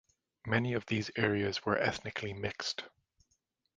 Many of these areas were ethnically mixed.